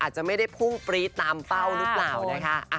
จะไม่ได้พุ่งปรี๊ดตามเป้าหรือเปล่านะคะ